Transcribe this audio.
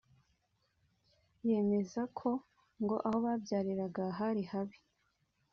yemeza ko ngo aho babyariraga hari habi